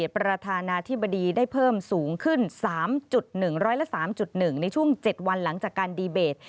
ประธานาธิบดีได้เพิ่มสูงขึ้น๓๑๐๓๑ในช่วง๗วันหลังจากการดีเบต